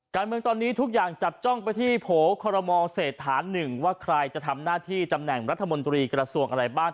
การเมืองตอนนี้ทุกอย่างจับจ้องไปที่โผล่คอรมอเศรษฐานหนึ่งว่าใครจะทำหน้าที่ตำแหน่งรัฐมนตรีกระทรวงอะไรบ้าง